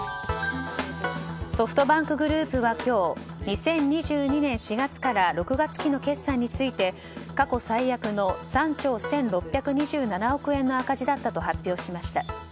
ソフトバンクグループは今日２０２２年４月から６月期の決算について過去最悪の３兆１６２７億円の赤字だったと発表しました。